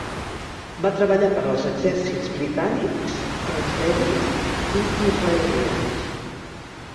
Va treballar per als exèrcits britànics, francesos i israelians.